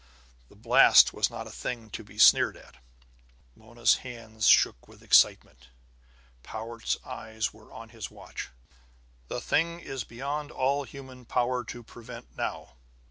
The blast was not a thing to be sneered at. Mona's hands shook with excitement. Powart's eyes were on his watch. "The thing is beyond all human power to prevent now.